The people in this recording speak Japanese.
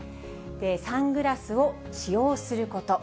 サングラスを使用すること。